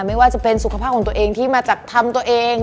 ไม่ว่าจะเป็นสุขภาพของตัวเองที่มาจากทำตัวเอง